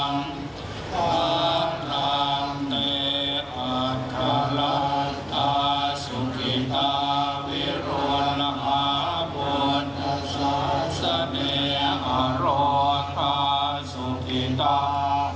นาวการนี้จัดได้ถวายเครื่องจัดถูปัจจัยทัยยธรรมแดบพระสงค์จำนวนทั้งหมดสิบรูป